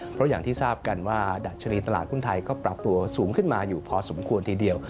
เพราะอย่างที่ทราบกันว่าดัชนีตลาดหุ้นไทยก็ปรับตัวสูงขึ้นมาอยู่พอสมควรทีเดียว